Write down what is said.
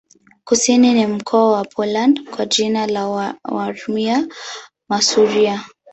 Kusini ni mkoa wa Poland kwa jina la Warmia-Masuria.